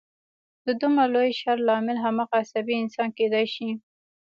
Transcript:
د دومره لوی شر لامل هماغه عصبي انسان کېدای شي